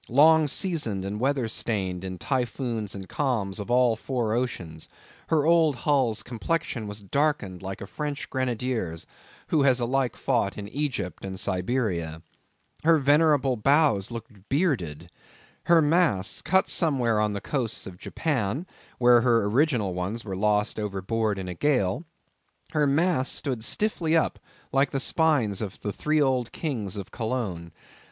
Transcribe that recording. Long seasoned and weather stained in the typhoons and calms of all four oceans, her old hull's complexion was darkened like a French grenadier's, who has alike fought in Egypt and Siberia. Her venerable bows looked bearded. Her masts—cut somewhere on the coast of Japan, where her original ones were lost overboard in a gale—her masts stood stiffly up like the spines of the three old kings of Cologne.